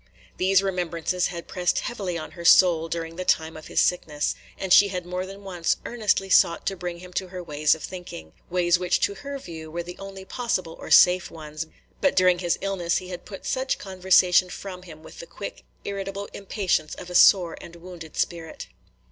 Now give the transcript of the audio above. These remembrances had pressed heavily on her soul during the time of his sickness, and she had more than once earnestly sought to bring him to her ways of thinking, – ways which to her view were the only possible or safe ones; but during his illness he had put such conversation from him with the quick, irritable impatience of a sore and wounded spirit.